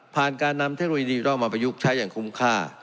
การนำเทคโนโลยีดิจิทัลมาประยุกต์ใช้อย่างคุ้มค่า